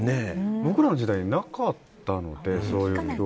僕らの時代はなかったのでそういうの。